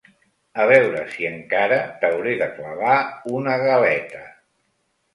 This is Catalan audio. A veure si encara t'hauré de clavar una galeta!